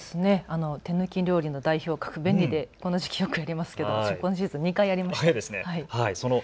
手抜き料理の代表格、便利でこの時期よくやりますけど今シーズン２回やりました。